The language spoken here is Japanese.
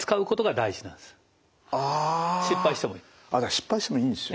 失敗してもいいんですよ。